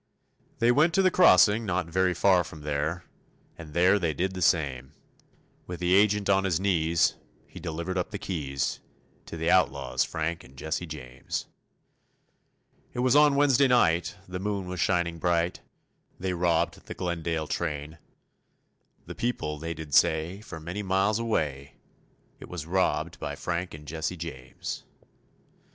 They went to the crossing not very far from there, And there they did the same; With the agent on his knees, he delivered up the keys To the outlaws, Frank and Jesse James. It was on Wednesday night, the moon was shining bright, They robbed the Glendale train; The people they did say, for many miles away, It was robbed by Frank and Jesse James.